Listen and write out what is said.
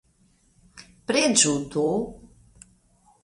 Preĝu do!